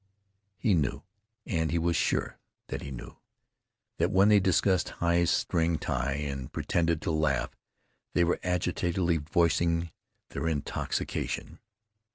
He knew—and he was sure that she knew—that when they discussed Heye's string tie and pretended to laugh, they were agitatedly voicing their intoxication.